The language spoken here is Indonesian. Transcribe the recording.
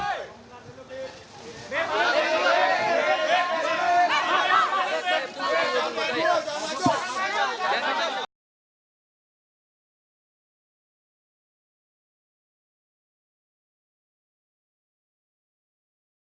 ketua umum persaudaraan alumni dua ratus dua belas